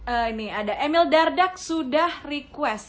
ini ada emil dardag sudah request